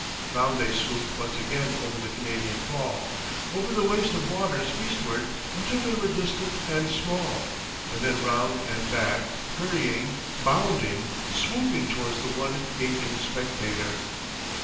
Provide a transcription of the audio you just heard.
Round they swooped once again over the Canadian Fall, over the waste of waters eastward, until they were distant and small, and then round and back, hurrying, bounding, swooping towards the one gaping spectator.